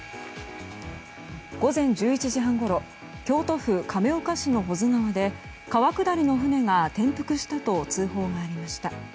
午前１１時半ごろ京都府亀岡市の保津川で川下りの船が転覆したと通報がありました。